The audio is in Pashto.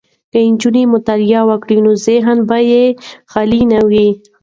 که نجونې مطالعه وکړي نو ذهن به یې خالي نه وي.